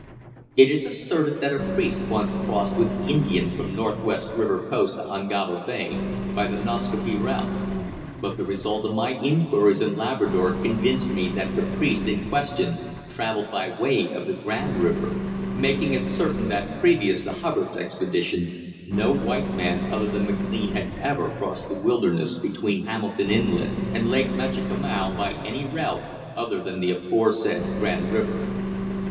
It is asserted that a priest once crossed with the Indians from Northwest River Post to Ungava Bay by the Nascaupee route; but the result of my inquiries in Labrador convinced me that the priest in question travelled by way of the Grand River, making it certain that previous to Hubbard's expedition no white man other than McLean had ever crossed the wilderness between Hamilton Inlet and Lake Michikamau by any route other than the aforesaid Grand River.